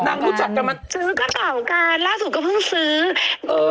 รู้จักกันมาซื้อกระเป๋ากันล่าสุดก็เพิ่งซื้อเออ